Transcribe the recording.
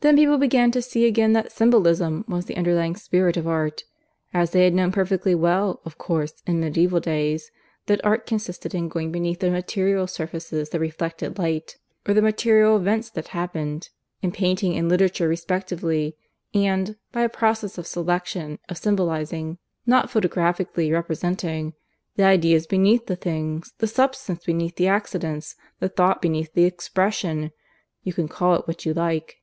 Then people began to see again that Symbolism was the underlying spirit of Art as they had known perfectly well, of course, in medieval days: that Art consisted in going beneath the material surfaces that reflected light, or the material events that happened, in painting and literature respectively, and, by a process of selection, of symbolizing (not photographically representing) the Ideas beneath the Things the Substance beneath the Accidents the Thought beneath the Expression (you can call it what you like).